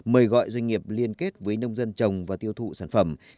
mời gọi doanh nghiệp liên kết với nông dân trồng và tiêu thụ sản phẩm